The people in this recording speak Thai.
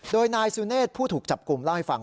โดยนายสุเนธผู้ถูกจับกลุ่มเล่าให้ฟัง